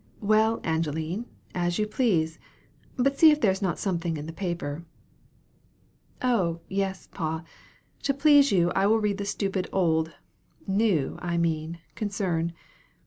"Well, Angeline, as you please; but see if there is not something in the paper." "Oh, yes, pa; to please you I will read the stupid old (new, I mean) concern.